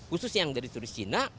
khusus yang dari turis cina